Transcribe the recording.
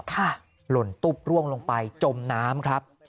หล่นตุ๊บร่วงลงไปจมน้ำครับ